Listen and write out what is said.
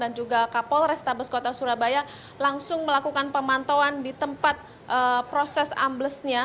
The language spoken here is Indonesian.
juga kapol restabes kota surabaya langsung melakukan pemantauan di tempat proses amblesnya